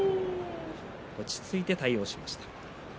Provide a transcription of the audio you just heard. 落ち着いて対応しました。